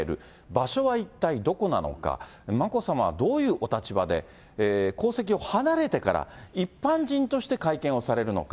場所は一体どこなのか、眞子さまはどういうお立場で、皇籍を離れてから、一般人として会見をされるのか。